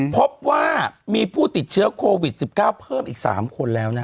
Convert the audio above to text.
พบว่ามีผู้ติดเชื้อโควิด๑๙เพิ่มอีก๓คนแล้ว